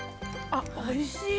あっ、おいしい。